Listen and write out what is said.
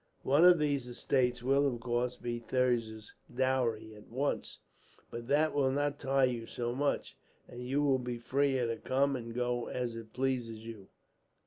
One of these estates will, of course, be Thirza's dowry at once; but that will not tie you so much, and you will be freer to come and go as it pleases you."